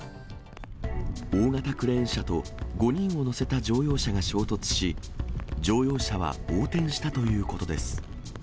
大型クレーン車と５人を乗せた乗用車が衝突し、乗用車は横転したということです。